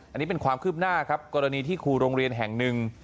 อันนี้เป็นความคืบหน้าครับกรณีที่ครูโรงเรียนแห่งหนึ่ง